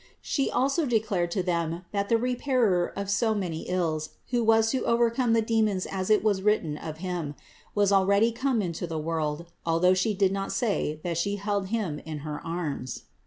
She also declared to them that the Repairer of so many ills, who was to overcome the demons as it was written of Him, was already come into the world, although She did not say that She held Him in her arms.